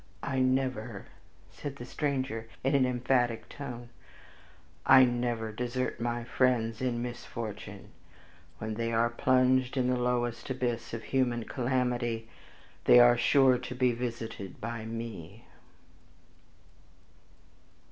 "I never," said the stranger, in an emphatic tone, "I never desert my friends in misfortune. When they are plunged in the lowest abyss of human calamity, they are sure to be visited by me."